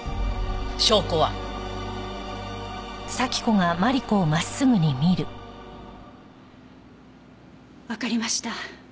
証拠は？わかりました。